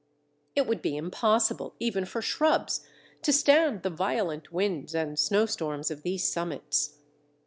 It would be impossible even for shrubs to stand the violent winds and snowstorms of these summits.